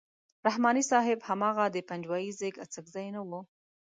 رحماني صاحب هماغه د پنجوایي زېږ اڅکزی نه وو.